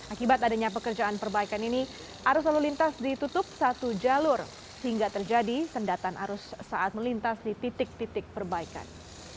akibat adanya pekerjaan perbaikan ini arus lalu lintas ditutup satu jalur sehingga terjadi sendatan arus saat melintas di titik titik perbaikan